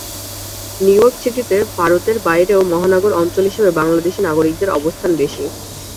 New York সিটিতে ভারতের বাইরেও মহানগর অঞ্চল হিসেবে বাংলাদেশি নাগরিকদের অবস্থান বেশি।